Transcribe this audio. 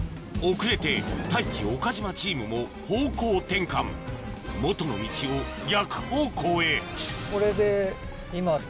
遅れて太一・岡島チームも方向転換もとの道を逆方向へこれで今。